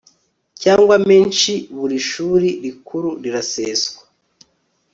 cyangwa menshi buri shuri rikuru riraseswa